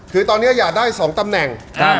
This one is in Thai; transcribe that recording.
คือตอนนี้อยากได้๒ตำแหน่ง